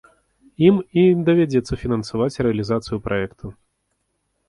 Ім і давядзецца фінансаваць рэалізацыю праекту.